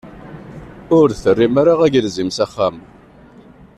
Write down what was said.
Ur d-terrim ara agelzim s axxam.